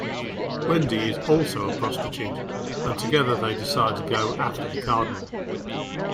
Wendy is also a prostitute and together they decide to go after the cardinal.